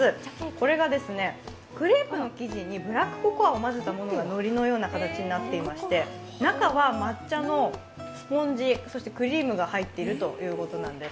これがクレープの生地にブラックココアを混ぜたものがのりのような形になっていまして、中は抹茶のスポンジ、そしてクリームが入っているということなんです。